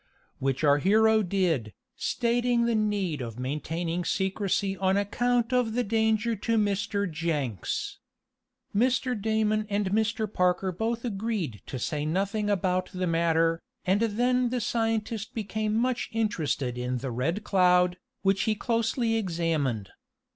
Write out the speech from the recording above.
Which our hero did, stating the need of maintaining secrecy on account of the danger to Mr. Jenks. Mr. Damon and Mr. Parker both agreed to say nothing about the matter, and then the scientist became much interested in the Red Cloud, which he closely examined.